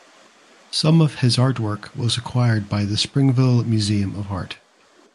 Some of his artwork was acquired by the Springville Museum of Art.